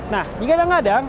nah jika ada ngadang